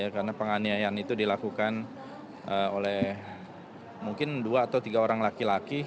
karena penganiayaan itu dilakukan oleh mungkin dua atau tiga orang laki laki